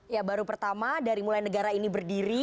ya baru pertama dari mulai negara ini berdiri